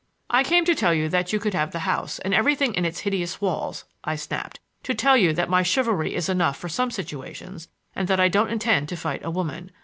"I came to tell you that you could have the house, and everything in its hideous walls," I snapped; "to tell you that my chivalry is enough for some situations and that I don't intend to fight a woman.